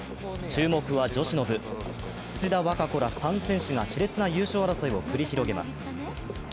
注目は女子の部、土田和歌子ら３選手がしれつな優勝争いを繰り広げます。